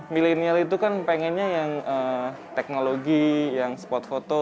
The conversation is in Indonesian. milenial itu kan pengennya yang teknologi yang spot foto